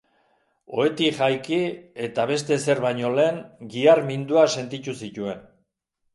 Ohetik jaiki eta, beste ezer baino lehen, gihar minduak sentitu zituen.